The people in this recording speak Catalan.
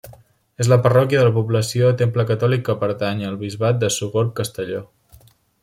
És la parròquia de la població, temple catòlic que pertany al bisbat de Sogorb-Castelló.